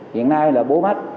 hiện nay là bố mắt